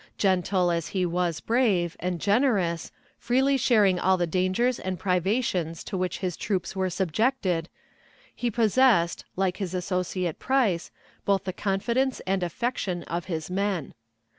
Gentle as he was brave, and generous, freely sharing all the dangers and privations to which his troops were subjected, he possessed, like his associate Price, both the confidence and affection of his men.